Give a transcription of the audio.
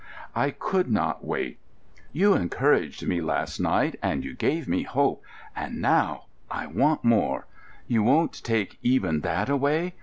—I could not wait. You encouraged me last night, you gave me hope, and now—I want more. You won't take even that away?